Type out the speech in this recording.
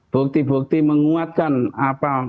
bukti bukti menguatkan apa